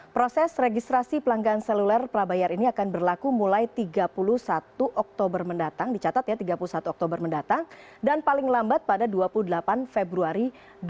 proses registrasi pelanggan seluler prabayar ini akan berlaku mulai tiga puluh satu oktober mendatang dan paling lambat pada dua puluh delapan februari dua ribu delapan belas